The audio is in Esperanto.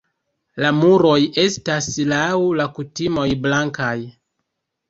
La muroj estas laŭ la kutimoj blankaj.